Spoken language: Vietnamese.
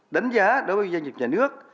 đánh giá đối với doanh nghiệp nhà nước